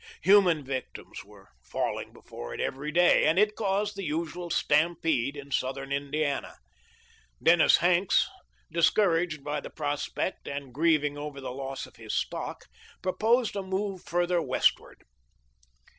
Human victims were falling before it every day, and it caused the usual stampede in southern Indi ana. Dennis Hanks, discouraged by the prospect and grieving over the loss of his stock, proposed a move further westward.